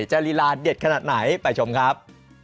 ลีลาเด็ดขนาดไหนไปชมครับ